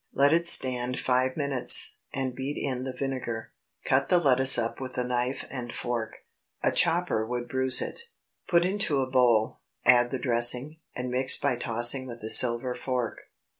Let it stand five minutes, and beat in the vinegar. Cut the lettuce up with a knife and fork,—a chopper would bruise it,—put into a bowl, add the dressing, and mix by tossing with a silver fork.